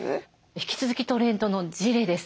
引き続きトレンドのジレです。